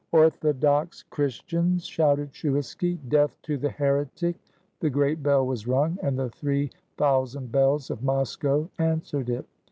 "Orthodox Christians," shouted Shuiski, "death to the heretic!" The great bell was rung, and the three thousand bells of Moscow answered it.